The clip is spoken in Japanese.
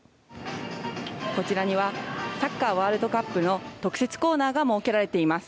こちらにはサッカーワールドカップの特設コーナーが設けられています。